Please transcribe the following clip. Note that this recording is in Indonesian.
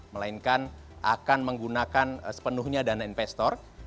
melainkan akan menggunakan sepenuhnya dana investor